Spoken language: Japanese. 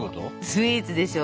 スイーツでしょ。